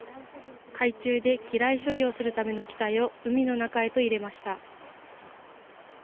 海中で機雷処理をするための機体を海の中へと入れました。